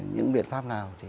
những biện pháp nào